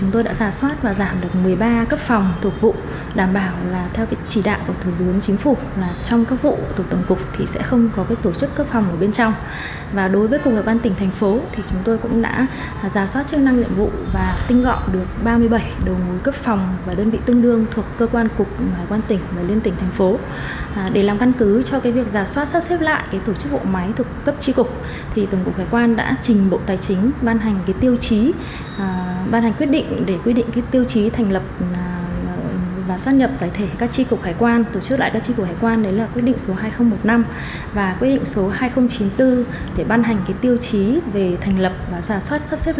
giảm ba mươi bảy phòng và tương đương thuộc cục hải quan tỉnh liên tỉnh thành phố